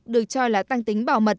được cho là tăng tính bảo mật